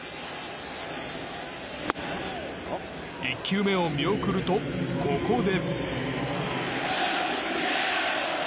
１球目を見送ると、ここで。